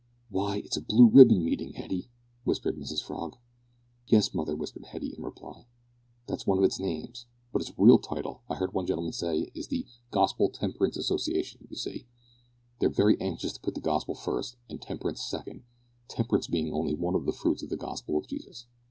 "Why, it's a Blue Ribbon meeting, Hetty," whispered Mrs Frog. "Yes, mother," whispered Hetty in reply, "that's one of its names, but its real title, I heard one gentleman say, is the Gospel Temperance Association, you see, they're very anxious to put the gospel first and temperance second; temperance bein' only one of the fruits of the gospel of Jesus."